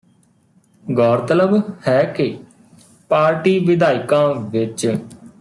ਗੌਰਤਲਬ ਹੈ ਕਿ ਪਾਰਟੀ ਵਿਧਾਇਕਾਂ ਵਿੱਚ